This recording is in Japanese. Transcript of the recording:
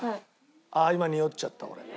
ああ今におっちゃった俺。